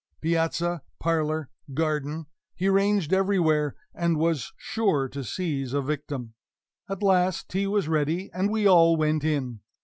Piazza, parlor, garden he ranged everywhere, and was sure to seize a victim. At last tea was ready, and we all went in.